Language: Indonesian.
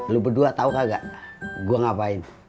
lo berdua tau kagak gue ngapain